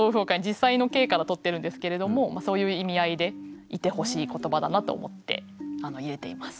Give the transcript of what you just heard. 実際の景から取ってるんですけれどもそういう意味合いでいてほしい言葉だなと思って入れています。